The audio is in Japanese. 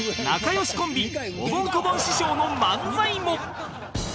仲良しコンビおぼん・こぼん師匠の漫才も